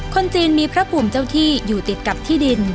คนจีนมีพระภูมิเจ้าที่อยู่ติดกับที่ดิน